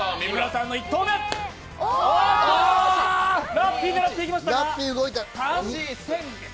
ラッピー狙っていきましたか。